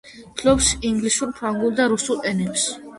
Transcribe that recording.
ფლობს ინგლისურ, ფრანგულ და რუსულ ენებს.